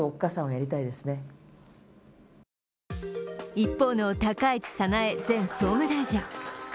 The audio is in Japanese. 一方の高市早苗前総務大臣。